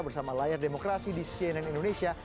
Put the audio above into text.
bersama layar demokrasi di cnn indonesia